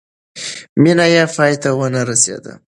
مینه یې پای ته ونه رسېده.